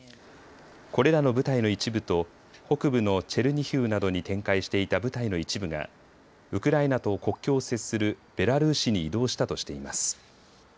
これらの部隊の一部と北部のチェルニヒウなどに展開していた部隊の一部がウクライナと国境を接するベラルーシに移動したとしています。